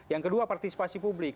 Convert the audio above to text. yang kedua partisipasi publik